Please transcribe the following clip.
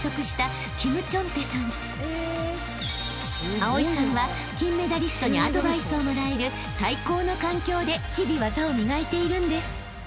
［蒼さんは金メダリストにアドバイスをもらえる最高の環境で日々技を磨いているんです］